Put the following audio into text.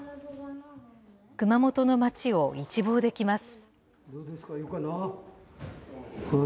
熊本の町を一望できます。